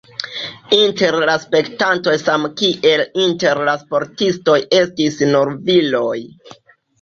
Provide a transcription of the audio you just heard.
Inter la spektantoj samkiel inter la sportistoj estis nur viroj.